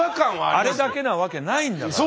あれだけなわけないんだから。